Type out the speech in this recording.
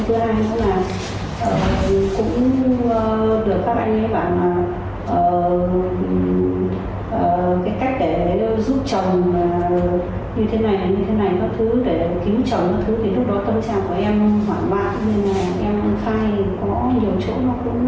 thì lúc đó tâm trạng của em bản bạc em khai có nhiều chỗ mà cũng không đúng